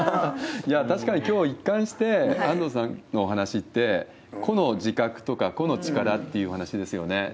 いやー、確かにきょうは一貫して、安藤さんのお話しって、この自覚とか、個の力っていうお話ですよね。